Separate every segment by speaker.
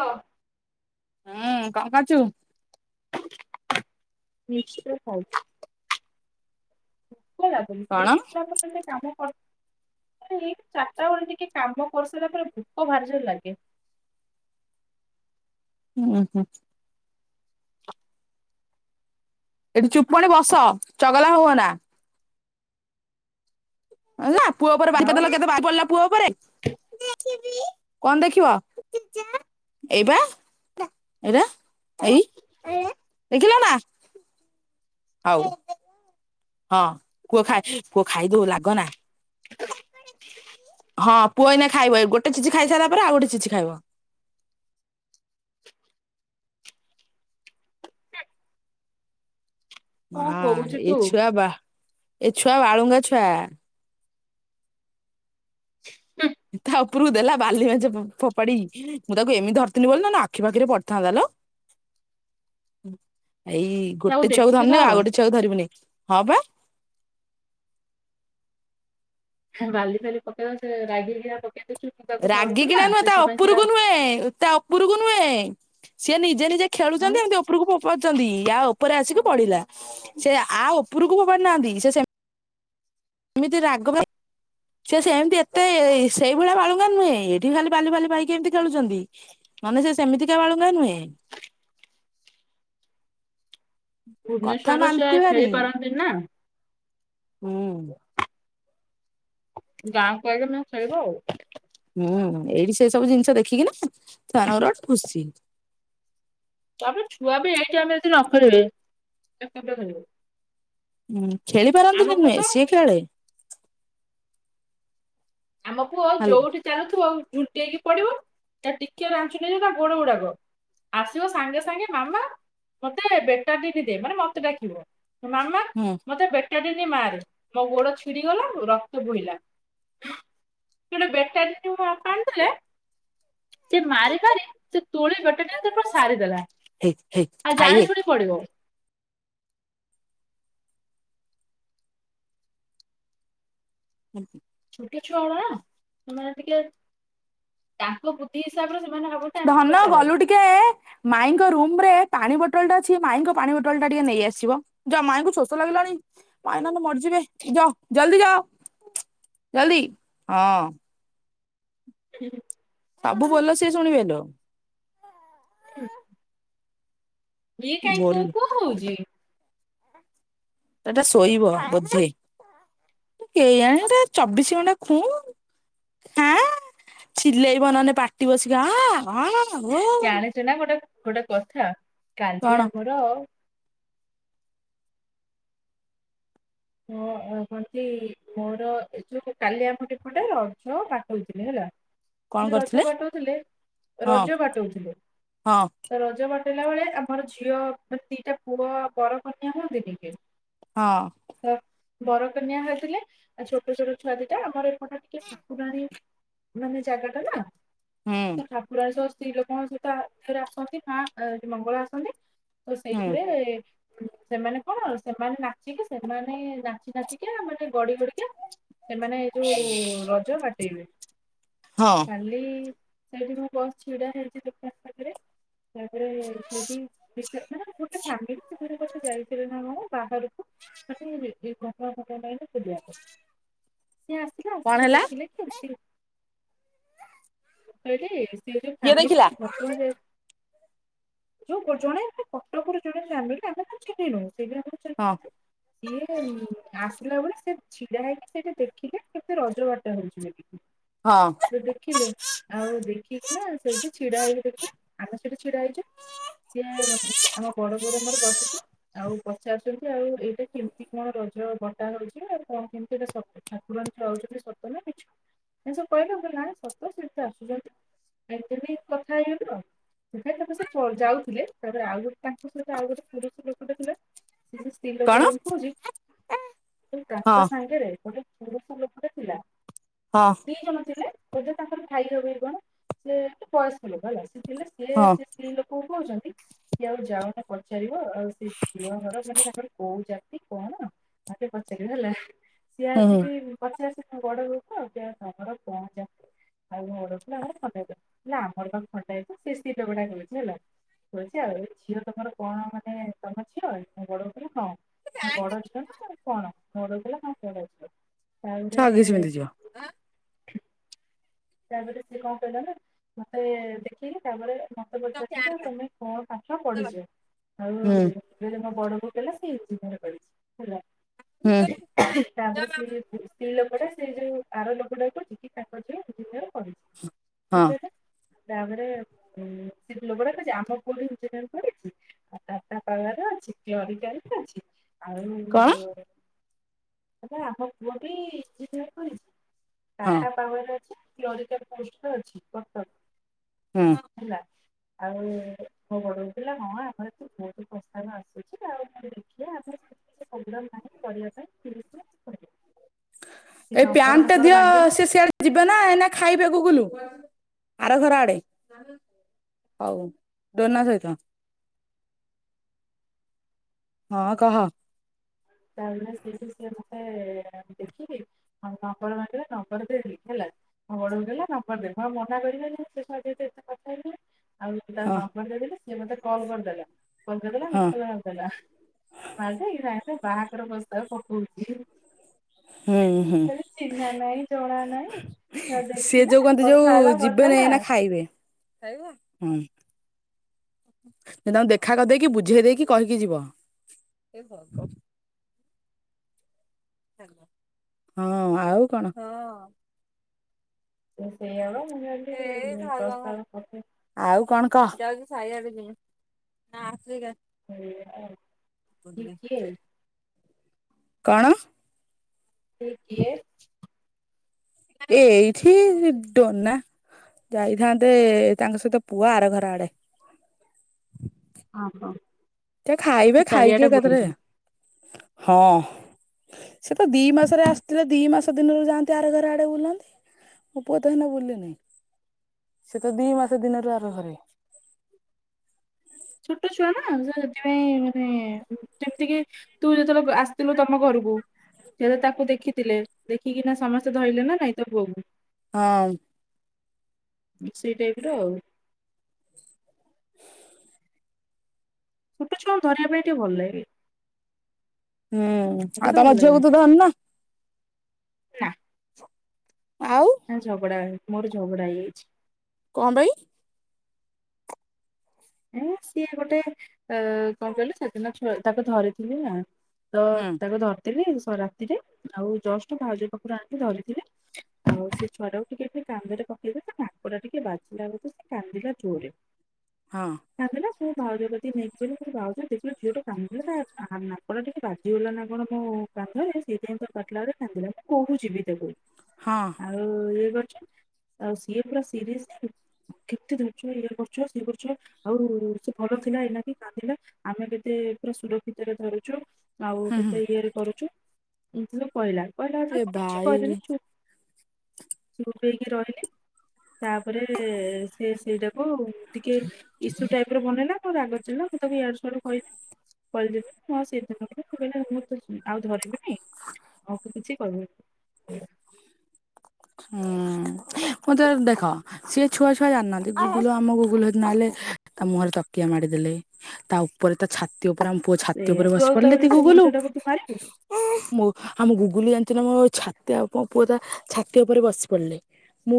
Speaker 1: ହଁ।
Speaker 2: ହୁଁ କଣ କରୁଛୁ।
Speaker 1: ମିକ୍ଚର ଖାଉଛି। [inaudible] କୁଆଡେ ଯାଉଛନ୍ତି
Speaker 2: କଣ
Speaker 1: ସୋଇ ପଡିଲେ ହୁଅନ୍ତାନି ସେ କାମ କର ଚାରିଟା ବେଳେ ଟିକେ କାମ କରିସାରିଲା ପରେ ଭୋକ ବାହାରଜ ଲାଗେ। [inaudible]
Speaker 2: ହୁଁ ହୁଁ। ଏଠି ଚୁପ୍ ପଣି ବସ ଚଗଲା ହୁଅନା। ଅନା। ପୁଅ ଉପରେ
Speaker 1: ଆଉ
Speaker 2: ବାରିପଦା ଲଗେଇଦେଲା ବାରି ପଡ଼ିଲା ପୁଅ ଉପରେ। କଣ ଦେଖିବ ଏଇପା ଏଇଟା। ଏଇ ଦେଖିଲ ନା। ହଉ ହଁ କୁଅ ଖାଇ ପୁଅ ଖାଇଦଉ ଲାଗନା ହଁ ପୁଅ ଏଇନା ଖାଇବ ଏ ଗୋଟେ ଚିଜିି ଖାଇସାରିଲା ପରେ ଆଉ ଗୋଟେ ଚିଜିି ଖାଇବ।
Speaker 1: କଣ
Speaker 2: ହଁ
Speaker 1: କହୁଛୁ ତୁ
Speaker 2: ଏଇଛୁଆ ବା ଏ ଛୁଆ ବାଳୁଙ୍ଗା ଛୁଆ। ତା ଉପରକୁ ଦେଲା ବାଲି ମାଜ ଫୋପାଡି। ମୁଁ ତାକୁ ଏମିତି ଧରିଥଥିଲି ବୋଲି ନା ନା ଆଖି ପାଖିରେ ପଡିଥାନ୍ତା ଲୋ। ଏଇ ଗୋଟେ
Speaker 1: ତାକୁ
Speaker 2: ଛୁଆକୁ
Speaker 1: ଦେଖିକି
Speaker 2: ଧରନି
Speaker 1: ଧଅ
Speaker 2: ଆଉ ଗୋଟେ ଛୁଆକୁ ଧରିବିନି। ହଁ ବା। [inaudible]
Speaker 1: ବାଲି ଫାଲି ପକେଇ ରାଗିିକି ଆଉ
Speaker 2: ରାଗି କିନା ନୁହଁ ତା ଉପରକୁ
Speaker 1: ଆଉ
Speaker 2: ନୁହେଁ ତା ଉପରକୁ ନୁହେଁ ସିଏ ନିଜେ ନିଜେ
Speaker 1: ଆଉ
Speaker 2: ଖେଳୁଛନ୍ତି ଏମିତି ଉପରକୁ ପାରୁଛନ୍ତି ଆଉ ଉପରେ ଆସିକି ପଡିଲା ସେ ଆଉ ଉପରକୁ ଫୋପାଡ଼ି ନାହାନ୍ତି। ସେ ସେ ସେମିତି ରାଗ ଭାଇ ସେ ସେମିତି ଏତେ ସେଇ ଭଳିଆ ବାଳୁଙ୍ଗା ନୁହେଁ। ଏଠି ଖାଲି ବାଲି ବାଲି ପାଇକି ଏମିତି ଖେଳୁଛନ୍ତି ମାନେ ସେ ସେମିତିକା ବାଳୁଙ୍ଗା ନୁହେଁ। କଥା
Speaker 1: ଭୁବନେଶ୍ୱର ସେ
Speaker 2: ମାନନ୍ତି ଭାରି
Speaker 1: ଖେଳିପାରନ୍ତିନି ନା।
Speaker 2: ହୁଁ।
Speaker 1: ଗାଁ କୁ ଆଗ ନା ଖେଳିବ ଆଉ
Speaker 2: ହୁଁ ଏଇଠି ସେ ସବୁ ଜିନିଷ ଦେଖିକି ନା ସେମାନଙ୍କର ଗୋଟେ ଖୁସି [inaudible]
Speaker 1: ତା ବି ଛୁଆ ବି ଏଇଠି ଆମେ ଯଦି ନଖେଳିଲେ ସେ କେମିତି ଖେଳିବ
Speaker 2: ହୁଁ ଖେଳି ପାରନ୍ତିନି ନୁହେଁ ସିଏ ଖେଳେ
Speaker 1: ଆମ ପୁଅ
Speaker 2: ହାଲ
Speaker 1: ଯୋଉଠି ଚାଲୁଥିବ ଝୁଣ୍ଟେଇ କି ପଡିବ ତା ଟିକେ ରାଞ୍ଚୁନଯ ତା ଗୋଡ ଗୁଡାକ ଆସିବ ସାଙ୍ଗେ ସାଙ୍ଗେ ମାମା ମତେ ବେଟ ଟିକ ଦେ ମାନେ ମତେ ଡାକିବ। ମାମା
Speaker 2: ହୁଁ
Speaker 1: ମତେ ବେଟାଟିନ ମାର ମୋ ଗୋଡ ଛିଡିଗଲା ରକ୍ତ ବୋହିଲା। ଗଟେ ବେଟାଟିନ ମୋ ବାପା ଆଣିଥିଲେ [inaudible] ସେ ମାରି ପାରି ସେ ତୋଳି ବେଟରେ ସାରିଦେଲା
Speaker 2: ହେଇ ହେଇ
Speaker 1: ଆଉ
Speaker 2: ଖାଇଦେ
Speaker 1: ଜାଣି ଶୁଣି ପଡିବ
Speaker 2: ହୁଁ।
Speaker 1: ଟିକେ ଛୁଆ ନା ସେମାନେ ଟିକେ ତାଙ୍କ ବୁଦ୍ଧି ହିସାବରେ ସେ
Speaker 2: ଧନ ଗଲୁ ଟିକେ ମାଇଙ୍କ ରୁମରେ ପାଣି ବଟ ପଟା ଅଛି ମାଇଙ୍କ ପାଣି ବୋଟଲ ଟା ଟିକେ ନେଇ ଆସିବ ଯ ମାଇଙ୍କୁ ଶୋଷ ଲାଗିଲାଣି ମାଇ ନହଲେ ମରିଯିବେ ଯ ଜଲଦି ଯାଅ ଜଲଦି ହଁ
Speaker 1: ହୁଁ।
Speaker 2: ସବୁ ବୋଲ ସିଏ ଶୁଣିବେ ଲୋ
Speaker 1: ହୁଁ। ଏ କାଇଁ କ
Speaker 2: ବୋଲ
Speaker 1: କଣ ହଉଛି,
Speaker 2: ସେଟା ଶୋଇବ ବୋଧେଇ କେଇଯାଣି ଏଟା ଚବିଶି ଘଣ୍ଟା ଖୁଁ ହାଁ ଚିଲେଇବ ନହେଲେ ପାଟି ବସିକ ହଁ ହ [inaudible]
Speaker 1: ଗୋଟା କଥା କାନ୍ଧି ଆମର ଆ ହଁ କନ୍ତି ମୋର ଏ ଯୋଉ କାଲିଆମୁଡି ପଟେ ରଝ ପାଠଉଥିଲେ ହେଲା
Speaker 2: କଣ
Speaker 1: ରଜ
Speaker 2: କରୁଥିଲେ
Speaker 1: ବାଟଉଥିଲେ
Speaker 2: ହଁ
Speaker 1: ରଜ ବାଟଉଥିଲେ
Speaker 2: ହଁ
Speaker 1: ରଜ ବାଟ ହେଲା ବେଳେ ଆମର ଝିଅ ମ ଦିଟା ପୁଅ ବରକନ୍ୟା ହୁଅନ୍ତିନିକି
Speaker 2: ହଁ।
Speaker 1: ବରକନିଆ ହେଇଥିଲେ ଛୋଟ ଛୋଟ ଛୁଆଦିଇଟା ଆମର ଟ ଟ ଠାକୁରାରେ ମାନେ ଜାଗା ଟା ନା
Speaker 2: ହୁଁ
Speaker 1: ତ ଠାକୁର ସ [inaudible] ସ୍ତ୍ରୀ ଲୋକଙ୍କ ସହିତରେ ଆସନ୍ତି ମା ମଙ୍ଗଳ ଆସନ୍ତି। ତ
Speaker 2: ହୁଁ
Speaker 1: ସେଇଥିରେ। ସେମାନେ କଣ ସେମାନେ ନାଚିକି ସେ ମାନେ ନାଚି ନାଚିକା ମାନେ ଗଡି ଗଡିକା ସେମାନେ ଏଇ ଯୋଉ ରଜ କାଟେଇବେ
Speaker 2: ହଁ
Speaker 1: [inaudible] କାଲି ସେଠ ମ ବହୁ ଚିଡ଼ା ହେଛି ଦ ତାପରେ ସେଠି ଗୋଟେ ଫାମିଲି କଥାେ ଯାଇଥିଲେ ନା କଣ ବାହାରକୁ [inaudible] ସିଏ ଆସିଲା
Speaker 2: କଣ
Speaker 1: ଆସିକି
Speaker 2: ହେଲା
Speaker 1: ଦେଖିଲେ କେମିତି [inaudible] ସେ ଯୋଉ
Speaker 2: କିଏ ଦେଖିଲା
Speaker 1: ଫାମିଲି ଭ [inaudible] ଯୋଉ ଜଣେ କଟକରୁ ଜଣେ [inaudible] ଆମେ ତ ଚିହ୍ନିନୁ। ସେଇ
Speaker 2: ହଁ
Speaker 1: [inaudible] ସିଏ ଆସିଲା ବେଳେ ସେ ଛିଡା ହେଇକି ସେଇଟା ଦେଖିଲେ କେତେ ରଜ ବାଟ ହେଉଛି ବୋଳିକି।
Speaker 2: ହଁ
Speaker 1: ସେ ଦେଖିଲେ ଆଉ ଦେଖିକି ନା ସେଇଠି ଛିଡା ହେଇକି ଆମେ ସେଇଠି ଛିଡା ହେଇଛୁ ସିଏ ଆମ ବଡ ବୋଉ ର ମୋର ବସିଛୁ ଆଉ ପଚାରୁଛନ୍ତି ଆଉ ଏଇଟା କେମିତି କଣ ରଜ ବଟା ହଉଛି ଆଉ କଣ କେମିତି ଏଟ ସ ଠାକୁରାଣୀ ରହୁଛନ୍ତି ସତ ନା କିଛ ଏ ସବୁ କହିଲେ କିଲ ନା ସତ ସେ ତ ଆସୁଛନ୍ତି ଆତମି କଥା ହେଇଗିବୁ ଆ ସୋଇ ତାରେ ସେ ଯାଉଥିଲେ ତାପରେ ଆଉ ଆଉ ଗୋଟେ ପୁରୁଷ ଲୋ କୋଠେ ଥିଲେ ସେ ଯଉ ସ୍ତ୍ରୀ ଲୋକ
Speaker 2: କଣ
Speaker 1: ଟା ତ
Speaker 2: ହଁ
Speaker 1: କାକା ସାଙ୍ଗେରେ ଗୋଟେ ପୁରୁଷ ଲୋକ ଟେ ଥିଲା।
Speaker 2: ହଁ
Speaker 1: ଦି ଜଣ ଥିଲେ। ବୋଧେ ତାଙ୍କର ଭାଇ ହବେ କଣ ସେ ବୟସ୍କ ଲୋକ ହେଲା। ଥିଲେ ସେ
Speaker 2: ହଁ
Speaker 1: ସେ ସ୍ତ୍ରୀ ଲୋକ କୁ କହୁଛନ୍ତି କି ଆଉ ଯାଉନା ପଚାରିବ ଆଉ ସେ ଝିଅ ଘର ମାନେ ତା କୋଉ ଜାତି କଣ ମତେ ପଚାରିବ ହେଲା। ସିଏ
Speaker 2: ହୁଁ ହୁଁ
Speaker 1: ଆସିକି ପଚାରେ ଆସି ବଡ ଲୋକ ତମର କଣ ଯା ଆଉ ବଡ କ ଆମର ଖଣ୍ଡା ହେ ହେଲା ଆମର ପାଖ ଖଣ୍ଡା ହେଇଛି ସେ ସତ ଗୁଡା କହୁଛି ହେଲା କଛି ଆଉ ଏ ଝିଅ ତମର କଣ ମାନେ ତମ ଝିଅ ବଡ କ କଥିଲ ହଁ ମୋ ବଡ ଝିଅ କଣ ମୋ [inaudible] ର କ ଖ ତାଉରେ
Speaker 2: ଛଗିଶ ପିନ୍ଧିଯିବ।
Speaker 1: ତାପରେ ସିଏ କଣ କହିଲ ନା ମତେ ଦେଖେଇିଲି ତାପରେ ମତେ ପଚାରିଛନ୍ତି ତମେ କଣ ପାଠ ପଢିଛ
Speaker 2: ହୁଁ
Speaker 1: ଆଉ ମୋ ବଡ ଵୋଉ କହିଲା ସେଇ [inaudible] [inaudible]
Speaker 2: ହୁଁ
Speaker 1: ସେଟା ସେ ଯୋଉ ଆର ଲୋକଟାକୁ କଉଚି କି ତାଙ୍କ ଝିଅ। [unintelligible]
Speaker 2: ହଁ।
Speaker 1: ଏମିତି ହେଲା ତାପରେ ସେ ଲୋକ ଟା କଉଚି ଆମ ପୁଅ ବି ଇଞ୍ଜିନିୟର ପଢିଛି ଆଉ ତା ପରେ [unintelligible] ଅଛି କ୍ଳରିକାଲ କରୁଚି।
Speaker 2: କଣ?
Speaker 1: ଆଉ। କଇଲା ଆମ ପୁଅ ଟି ଇଞ୍ଜିନିୟର କରିଛି। ଟାଟା
Speaker 2: ହୁଁ।
Speaker 1: ପାୱର୍ ରେ ଅଛି। କ୍ଲରିକାଲ୍ ପୋଷ୍ଟରେ ଅଛି କଟକ। ହେଲା। ଆଉ ମୋ ବଡବୋଉ କଇଲା ହଁ ଆମର ତ ବହୁତ ପ୍ରସ୍ତାବ ଆସୁଛି ଆଉ ଦେଖବା ଆମର ତ ସେମତୀ କିଛି ପ୍ରୋଗ୍ରାମ ନାଇ କରିବା ପାଇଁ ତିରିଶ
Speaker 2: ଏ ପ୍ୟାଣ୍ଟ ଟା ଦିଅ ସେ ସିଆଡେ ଯିବେ ନା ଏନା। ଖାଇବାକୁ ଗୁଲୁ ଆର ଘର ଆଡେ ହଉ ଡୋନା ସହିତ। ହଁ କହ।
Speaker 1: ତାପରେ ସେଇଠି ସିଏ ମତେ ଦେଖିକି ଆଉ ନମ୍ବର ମାଗିଲେ ନମ୍ବର ଦେଲି ହେଲା ମୋ ବଡବୋଉ ଦେଲା ନମ୍ବର ଦେଲି ମୁଁ ଆଉ ମନା କରିପାରିଲିନି ସେ ଏତେ କଥା ହେଇ ଆଉ ତାଙ୍କୁ
Speaker 2: ହଁ
Speaker 1: ନମ୍ବର ଦେଇ ଦେଲି ସେ ସେ ମତେ କଲ୍ କରିଦେଲା। ଫୋନ କରିଦେଲା ମିସ୍
Speaker 2: ହଁ।
Speaker 1: କଲ୍ ମାରିଦେଲା ମାରି ଦେଇକୀନା ବାହାଘର ପ୍ରସ୍ତାବ ପକଉଛି।
Speaker 2: ହୁଁ ହୁଁ
Speaker 1: କହିଲି ଚିହ୍ନା ନାହିଁ ଜଣା ନାହିଁ ସେ
Speaker 2: ସିଏ
Speaker 1: ଦେଖିଲା
Speaker 2: ଯୋଉ କହନ୍ତି ଯୋଉ
Speaker 1: କଥା ହେଲା
Speaker 2: ଯିବେନେଇ
Speaker 1: ପଚାରିଲା
Speaker 2: ଏଇନା ଖାଇବେ। ଖାଇବେ ହଁ। ତାଙ୍କୁ ଦେଖା କରିଦେଇକି ବୁଝେଇ ଦେଇକି କହିକି ଯିବ। ହଁ ଆଉ କଣ।
Speaker 1: ସେ ସେଇଆ ବା।
Speaker 2: ଏ ଭାଉଜଙ୍କ ଘରେ। ଆଉ କଣ କହ। ସାଇଆ ପିନ୍ଧିବି। ନା ଆଫ୍ରିକା।
Speaker 1: ସେଇଆ ଆଉ ଇଏ କିଏ।
Speaker 2: କଣ।
Speaker 1: ଇଏ କିଏ।
Speaker 2: ଇଏ ଏଇଠି ଡୋନା ଯାଇଥାନ୍ତେ ତାଙ୍କ ସହିତ ପୁଅ ଆର ଘର ଆଡେ।
Speaker 1: ହଁ ହଁ।
Speaker 2: ସେ ଖାଇବେ ଖାଇକି ଏକାଥେରେ। ହଁ ସେ ତ ଦି ମାସରେ ଆସିଥିଲେ ଦି ମାସ ଦିନରୁ ଯାଆନ୍ତି ଆର ଘରେ ଆଡେ ବୁଲନ୍ତି। ମୋ ପୁଅ ତ ଏଇନା ବୁଲିନିଁ ସେ ତ ଦି ମାସ ଦିନରୁ ଆର ଘରେ।
Speaker 1: ଛୋଟ ଛୁଆ ନା ସେ ସେଥିପାଇଁ ମାନେ ଯେମିତି କିି ତୁ ଯେତେବେଳେ ଆସିଥିଲୁ ତମ ଘରକୁ ସେ ତାକୁ ଦେଖିଥିଲେ। ଦେଖିକିନା ସମସ୍ତେ ଧଇଲେ ନା ନାଇଁ ତୋ ପୁଅକୁ।
Speaker 2: ହଁ।
Speaker 1: ସେଇ ଟାଇପ୍ ର ଆଉ। ଛୋଟ ଛୁଆଙ୍କୁ ଧରିବା ପାଇଁ ଟିକେ ଭଲ ଲାଗେ।
Speaker 2: ହୁଁ ଆଉ ତମ ଝିଅ କୁ ଧରନୁ।
Speaker 1: ନାଁ।
Speaker 2: ଆଉ
Speaker 1: ହଁ ଝଗଡା ହେବେ। ମୋର ଝଗଡା ହେଇଯାଇଛି।
Speaker 2: କଁ ପାଇଁ।
Speaker 1: ଏଁ ସିଏ ଗୋଟେ ଆ କଣ କହିଲୁ ସେଦିନ ତାକୁ ଧରିଥିଲି ନା। ତ
Speaker 2: ହୁଁ
Speaker 1: ତାକୁ ଧର ରାତିରେ ଆଉ ଜଷ୍ଟ ଭାଉଜ ପାଖରୁ ଆଣିକି ଧରିଥିଲେ। ଆଉ ସେ ଛୁଆ ଟାକୁ ଟିକେ ଟିକେ କାନ୍ଦରେ ପକେଇଲେ ସେ ନାକ ଟା ଟିକେ ବାଜିଲା ବେଳକୁ ସେ କାନ୍ଦିଲା ଜୋରେ।
Speaker 2: ହଁ
Speaker 1: ତା ପରେ। କୋ ଭାଉଜ କତିତି ନେଇକି ଗଲି। ମୁଁ କହିଲି ଭାଉଜ ଦେଖିଲ ଝିଅ ଟା କାନ୍ଦିଲ ତା ନାକ ଟା ଟିକେ ବାଜିଗଲା ନା କଣ ମୋ କାନ୍ଧରେ ସେଇଥିପାଇଁ ତ କଟିଲା ବଡେ କାନ୍ଦିଲା ମୁଁ କହୁଛିି ବି ତାକୁ।
Speaker 2: ହଁ
Speaker 1: ଆଉ ଇଏ ଗୋ ଆଉ ସିଏ ପୁରା ସିରିଏସ କେତେ ଧରିଛ। ଇଏ କରୁଛ ସିଏ କରୁ ଆଉ ସେ ଭଲ ଥିଲା ଏଇନାକେ କାନ୍ଦିଲା। ଆମେ କେତେ ପୁରା ସୁରକ୍ଷିତରେ ଧରୁଛୁ। ଆଉ କେତେ ଇଏରେ କରୁଛୁ। ଝିଅ କହିଲା। କହିଲା ଯେତେବେଳେ
Speaker 2: ଏ
Speaker 1: ମୁଁ କିଛି
Speaker 2: ଭାଇ
Speaker 1: କହିଲିନି ଚୁପ୍ ଚୁପୁ ହେଇକି ରହିଲି। ତାପରେ ସେ ସେଇଟାକୁ ଟି ଇସୁ ଟାଇପ୍ର ବନେଇଲା ମୋ ରାଗଥିଲା ମୁଁ ତାକୁ ୟଡ଼ୁ ସୁଆଡ଼ୁ କହିଲି। କହିଦେଲି ହଉ ସେଇଦିନ କହିଲେ ମୁଁ ତ ଆଉ ଧରିବିନି ଆଉ କିଛି କହିବିନି।
Speaker 2: ହୁଁ ମତେ ଦେଖ ସିଏ ଛୁଆ ଛୁଆ ଜାଣିନାହାନ୍ତି ଗୁଗୁଲ ଆମ ଗୁଗୁଲ ନହେଲେ ତା ମୁହଁରେ ତକିଆ ମାରିଦେଲେ ତା ଉପରେ ତା ଛାତି ରେ ଆମ ପୁଅ ଛାତି
Speaker 1: ସେଇଆ
Speaker 2: ଉପରେ
Speaker 1: ତୁ
Speaker 2: ବସି
Speaker 1: ଆଉ ତା
Speaker 2: ପାରିଲେ
Speaker 1: ବୋଲି ସେ
Speaker 2: ଗୁଗୁଲ
Speaker 1: ଭଣଜାଟାକୁ ତୁ ମାରିବୁ
Speaker 2: ଆମ ଗୁ ଖୁଡି ଜାଣିଚୁ ନା ମୋ ଆଉ ପୁଅ ତା ଛାତି ଉପରେ ବସି ପଡିଲେ। ମୁଁ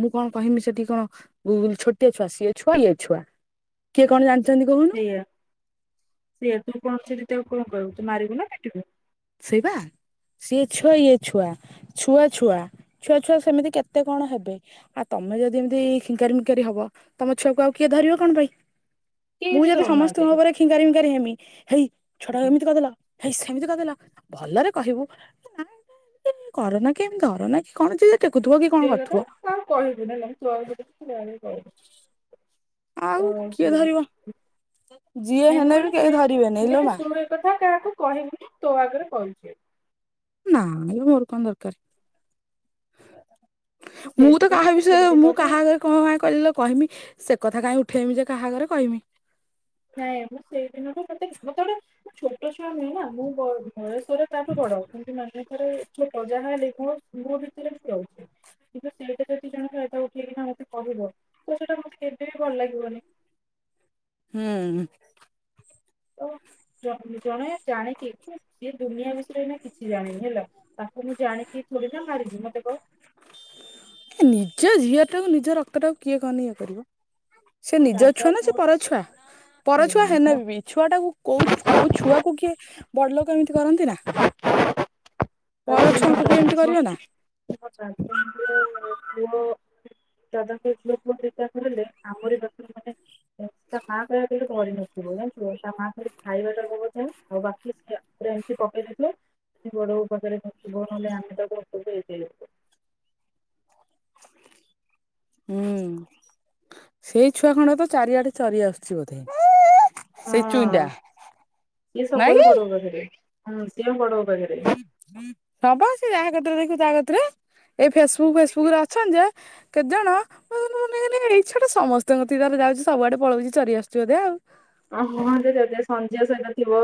Speaker 2: ମୁଁ କଣ କହମି ସେଠି କଣ ଛୋଟିଆ ଛୁଆ ସିଏ ଛୁଆ ଇଏ ଛୁଆ କିଏ କଣ ଜାଣି
Speaker 1: ସେଇଆ ସେ ଏଥିରୁ କଣ ସେ କଣ କହିବୁ ତ ମାରିବୁ ନା କାଟିବୁ।
Speaker 2: ସେଇବା ସିଏ ଛୁଆ ଇଏ ଛୁଆ। ଛୁଆ ଛୁଆ ଛୁଆ ଛୁଆ ସେମିତି କେତେ କଣ ହେବେ। ଆଉ ତମେ ଯଦି ଏମିତି ଖିଙ୍କାରୀମଙ୍କାରୀ ହବ ତମ ଛୁଆକୁ ଆଉ କିଏ ଧରିବ କଣ ପାଇଁ।
Speaker 1: କେହି
Speaker 2: ମୁଁ
Speaker 1: ବି
Speaker 2: ଯଦି
Speaker 1: ଧରୁନାହାନ୍ତି
Speaker 2: ସମସ୍ତଙ୍କ ଉପରେ ଖିଙ୍ଗାରି ଫିଙ୍ଗାରୀ ହେମି ହେଇ ଛଟା କେମିତି କରିଦେଲ। ହେଇ ସେମିତି କରିଦେଲ। ଭଲରେ କହିବୁ ନା କରୋନା କେମିତି କରନା କି କଣ ଟେକୁଥିବ କି କଣ
Speaker 1: ସେ କଥା
Speaker 2: କରୁଥିବ
Speaker 1: ହ କହିବୁ ହେଲେ ମୁ ତୁ ଆଗ ସେ ଆ କହିବୁ ହେଲା।
Speaker 2: ଆଉ
Speaker 1: ତ
Speaker 2: କିଏ
Speaker 1: ସେଇ
Speaker 2: ଧରିବ ଯିଏ
Speaker 1: ମୁଁ
Speaker 2: ହେଲେ ବି
Speaker 1: କହିଲି ତୁ
Speaker 2: କେହି ଧରିବେନି
Speaker 1: ମୁଁ
Speaker 2: ଇଲୋ
Speaker 1: କହିଲି
Speaker 2: ମା
Speaker 1: ତୁ ଏ କଥା କାହାକୁ କହିବୁନୁ। ତୋ ଆଗରେ କହିଛି।
Speaker 2: ନାଁ ମୋର କନ୍ ଦରକାରେ। [inaudible] ମୁଁ ତ
Speaker 1: ସେଇଥିପାଇଁ
Speaker 2: କାହା
Speaker 1: ମତେ ସେଇ
Speaker 2: ବିଷୟରେ ମୁଁ
Speaker 1: ଦିନଠୁ
Speaker 2: କାହାଗରେ କଣ କ କହିଲ କହମି ସେ କଥା କାଇ ଫେମି ଯେ କାହାଘରେ କହମି
Speaker 1: ନାଇଁ ମୁଁ ସେଇଦିନଠୁ ମତେ ମତେ ଗୋଟେ ଛୋଟ ଛୁଆ ନୁହେଁ ନା ମୁଁ ବ ବୟସରେ ତା ଠୁ ବଡ କିନ୍ତୁ ମାନେ ରେ ଛୋଟ ଯାହା ହେଲେ କୁହ ମୋଅ ଭିତରେ ମୁଁ ରହୁଚି, କିନ୍ତୁ ସେଇଟା ଯଦି ଜଣେ ରଦ ଉଠେଇକିନା ମୋତେ କହିବ ତ ସେଇଟା ମତେ କେବେ ବି ଭଲ ଲାଗିବନି।
Speaker 2: ହୁଁ।
Speaker 1: ତ ଜଣେ ଜାଣିକି ସିଏ ଦୁନିଆ ବିଷୟରେ ଏଇନା କିଛି ଜାଣିନି ହେଲା ତାକୁ ମୁଁ ଜାଣିକି ଥରେ ନା ମାରିବି ମତେ କହ
Speaker 2: ଏ ନିଜ ଝିଅଟାକୁ ନିଜ ରକ୍ତ ଟାକୁ କିଏ କହନ ଇଏ କରିବ। ସେ
Speaker 1: ମୋ
Speaker 2: ନିଜ
Speaker 1: ଦାଦା
Speaker 2: ଛୁଆ ନା ସେ
Speaker 1: ମୋ
Speaker 2: ପରଛୁଆ,
Speaker 1: ସେ
Speaker 2: ପରଛୁଆ ହେନ
Speaker 1: ମୋ
Speaker 2: ବି ବି ଛୁଆଟାକୁ କୋଉ କୋଉ ଛୁଆକୁ କିଏ ବଡ ଲୋକ ଏମିତି କରନ୍ତି ନା।
Speaker 1: ତାପରେ
Speaker 2: ପରଛୁଆକୁ ବି ଏମିତି
Speaker 1: ମୋ
Speaker 2: କରିବ ନା।
Speaker 1: ଦାଦା ମୋ ପୁଅ ଦାଦାଙ୍କ ଝୁଅ ପୁଅ ଦତା କରିଲେ ଆମରି [inaudible] ତା ମାଆ [inaudible] କରିନଥିବ ଜାଣିଚୁ, ତା ମା ଖାଲି ଖାଇବାଟାବଁ ଆଉ ବାକି ସଏ ଏମତି ପକେଇ ଦେଇଥିବ ବଡବୋଉ ପାଖରେଥିବ ନହେଲେ ଆମେ ତାକୁ [inaudible]
Speaker 2: ହୁଁ ସେଇ ଛୁଆ ଖଣ୍ଡ ତ ଚାରିଆଡେ ଚରି ଆସୁଚି ବୋଧେ। ସେଇ
Speaker 1: ହଁ
Speaker 2: ଚୁଇଁଟା
Speaker 1: ସିଏ
Speaker 2: [inaudible]
Speaker 1: ସବୁବେଳେ
Speaker 2: ନାଇଁ କି।
Speaker 1: ବଡ ବୋଉ ପାଖରେ। ହଁ ସିଏ ବଡଉ
Speaker 2: [inaudible] ସବ ଆସି ଯ ଯେତେବଳେ ଦେଖିବୁ ତ କତିରେ ଏଇ ଫେସବୁକ୍ ଫେସବୁକ୍ ରେ ଅଛନ୍ ଯେ କେତେଜଣ [unintelligible] ଏଇ ଛୁଆଟା ସମସ୍ତଙ୍କ କତିକି ଯାଉଚି ସବୁଆଡେ ପଳାଉଚି ଚରି ଆସୁଛି ବୋଧେ।
Speaker 1: ହିଁ [inaudible]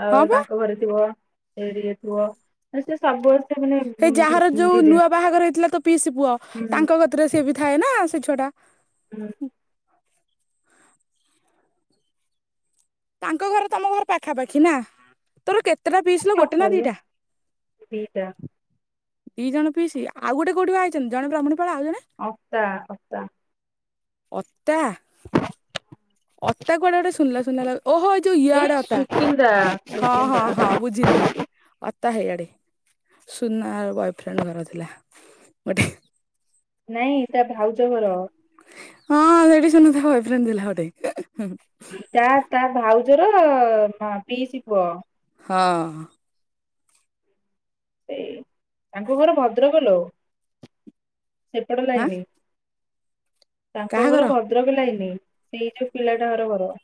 Speaker 1: ଆଉ
Speaker 2: ହଁ ବା
Speaker 1: ତାଙ୍କ ଘରେ ଥିବ ସେଇଠି। ପୁଅ ସେ ସବୁ ମାନେ
Speaker 2: ହେଇ ଯାହାର
Speaker 1: ହୁଁ
Speaker 2: ଯୋଉ ନୂଆ ବାହାଘର ହେଇ ଥିଲା ତୋ ପିଇସୀ ପୁଅ। ତାଙ୍କ କତିରେ ସିଏ ବି ଥାଏ ନା ସେଇ ଛୁଆଟା।
Speaker 1: [inaudible]
Speaker 2: ତାଙ୍କ ଘର ତମ ଘର ପାଖାପାଖି ନା ତୋର କେ। କେତେଟା ପିଇସୀ ଲୋ ଗୋଟେ ନା ଦିଇଟା?
Speaker 1: ଦିଟା
Speaker 2: [inaudible] ଦିଇଜଣ ପିଇସୀ ଆଉ ଗୋଟେ କଉଠି ବାହା ହେଇଚନ୍ତି ଜଣେ ବ୍ରାହ୍ମୁଣୀ
Speaker 1: ଅତା ଅତା।
Speaker 2: ଅତା। ଅତା କୁଆଡେ ଗୋଟେ ଶୁଣିଲା ଶୁଣିଲା ଲା ଓହଃ ଯୋଉ
Speaker 1: ଏ
Speaker 2: ଇଆଡେ ଅତା।
Speaker 1: ସୁକିନ୍ଦା
Speaker 2: ହଁ ହଁ
Speaker 1: ସୁକିନ୍ଦା
Speaker 2: ହଁ ବୁଝିନି ଅ ଅତା ହେଆଡେ ସୁନା ବୟଫ୍ରେଣ୍ଡ ଘର ଥିଲା ଗୋଟେ
Speaker 1: ନାଇଁ ତା ଭାଉଜ ଘର।
Speaker 2: ହଁ ସେଠି ସୁନାଟା ବୟଫ୍ରେଣ୍ଡ ଥିଲା ଗୋଟେ।
Speaker 1: ତା ତା ଭାଉଜର ମା ପିଇସୀ ପୁଅ।
Speaker 2: ହଁ।
Speaker 1: ସେଇ ତାଙ୍କ ଘର ଭଦ୍ରକ ଲୋ। [inaudible] ସେ ପଟ
Speaker 2: ହାଁ
Speaker 1: ଲାଇନି। ତାଙ୍କ ଘର ଭଦ୍ରକ ଲାଇନି। ସେଇ ଯୋଉ ପିଲାଟା ଘର ଘର।